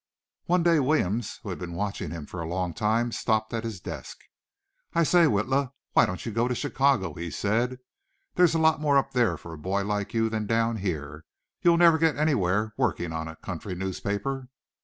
One day Williams, who had been watching him for a long time, stopped at his desk. "I say, Witla, why don't you go to Chicago?" he said. "There's a lot more up there for a boy like you than down here. You'll never get anywhere working on a country newspaper."